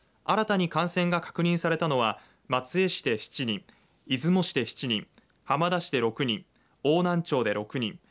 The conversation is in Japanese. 新たに感染が確認されたのは松江市で７人出雲市で７人浜田市で６人、邑南町で６人